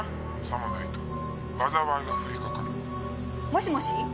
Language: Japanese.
「さもないと災いがふりかかる」もしもし？